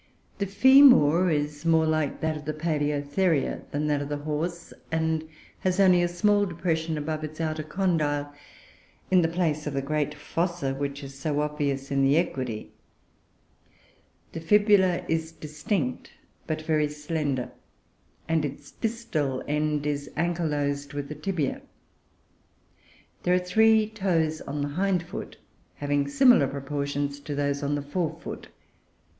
The femur is more like that of the Paloeotheria than that of the horse, and has only a small depression above its outer condyle in the place of the great fossa which is so obvious in the Equidoe. The fibula is distinct, but very slender, and its distal end is ankylosed with the tibia. There are three toes on the hind foot having similar proportions to those on the fore foot.